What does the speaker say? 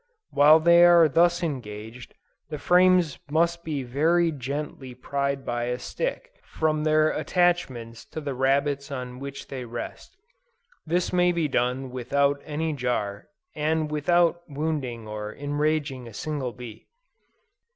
While they are thus engaged, the frames must be very gently pried by a stick, from their attachments to the rabbets on which they rest; this may be done without any jar and without wounding or enraging a single bee.